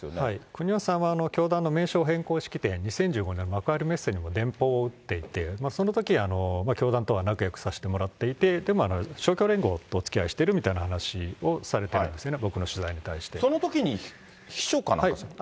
邦夫さんは教団の名称変更式典２０１５年の幕張メッセにも電報を打っていて、そのとき、教団とは仲よくさせてもらっていて、でも勝共連合とおつきあいしてるみたいな話をされてるんですね、そのときに秘書かなんか？